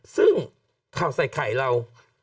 ซึ่งข่าวใส่ไข่เรา